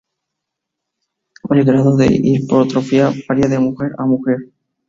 El grado de hipertrofia varía de mujer a mujer.